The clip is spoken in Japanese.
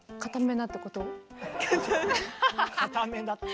硬めなって。